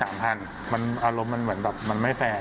อารมณ์มันเหมือนแบบมันไม่แฟร์